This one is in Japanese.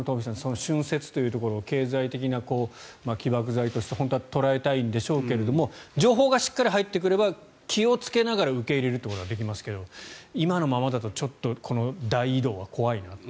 春節というところ経済的な起爆剤として本当は捉えたいんでしょうけれども情報がしっかり入ってくれば気を付けながら受け入れるということができますが今のままだとちょっとこの大移動は怖いなという。